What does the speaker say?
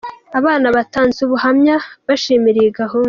Abana batanze ubuhamya bashimira iyi gahunda.